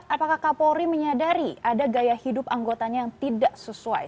apakah kapolri menyadari ada gaya hidup anggotanya yang tidak sesuai